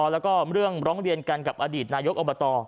แล้วก็เรื่องร้องเรียนกันกับอดีตนายกอบต